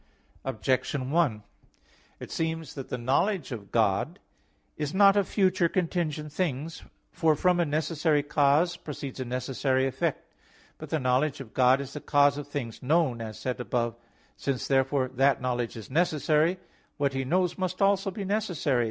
Objection 1: It seems that the knowledge of God is not of future contingent things. For from a necessary cause proceeds a necessary effect. But the knowledge of God is the cause of things known, as said above (A. 8). Since therefore that knowledge is necessary, what He knows must also be necessary.